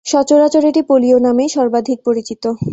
সচরাচর এটি পোলিও নামেই সর্বাধিক পরিচিত।